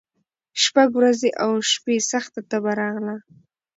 شپږ ورځي او شپي سخته تبه راغله